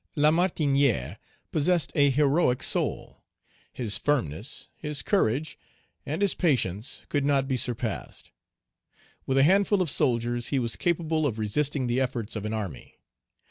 Lamartinière possessed a heroic soul; his firmness, his courage, and his patience could not be surpassed. With a handful of soldiers, he was capable of resisting the efforts of an army.